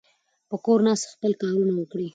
په کور ناست خپل کارونه وکړئ.